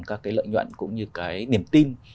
các cái lợi nhuận cũng như cái điểm tin